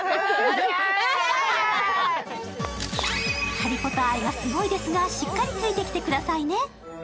ハリポタ愛はすごいですが、しっかりついてきてくださいね。